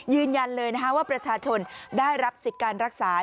ยืนยันเลยนะคะว่าประชาชนได้รับสิทธิ์การรักษา